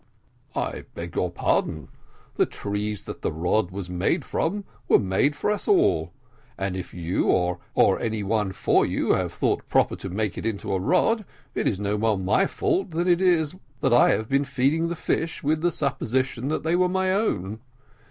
"I beg your pardon; the trees that that rod was made from were made for us all, and if you, or any one for you, have thought proper to make it into a rod, it is no more my fault than it is that I have been feeding the fish with the supposition that they were my own.